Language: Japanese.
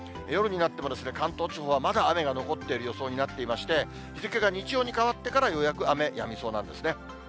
夜になっても、関東地方はまだ雨が残っている予想になっていまして、日付が日曜に変わってから、ようやく雨やみそうなんですね。